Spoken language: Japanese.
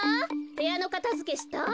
へやのかたづけした？